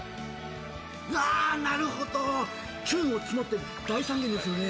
うわ、なるほど中をつもって大三元ですよね。